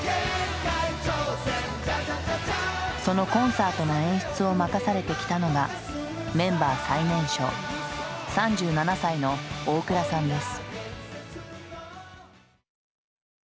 そのコンサートの演出を任されてきたのがメンバー最年少３７歳の大倉さんです。